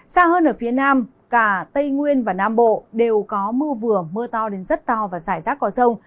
xa hơn ở phía nam cả tây nguyên và nam bộ đều có mưa vừa mưa to đến rất to và giải rác có rông